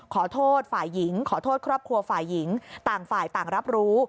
ขอโทษฝ่ายหญิงขอโทษครอบครัวฝ่ายหญิงต่างฝ่ายต่างรับรู้